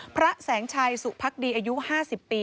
พระแสงชัยสุพักดีอายุ๕๐ปี